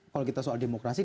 kalau kita soal demokrasi